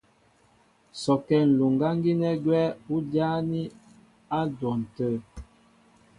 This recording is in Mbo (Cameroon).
Sɔkɛ́ ǹluŋgáŋ gínɛ́ gwɛ́ ú jáání á dwɔn tə̂.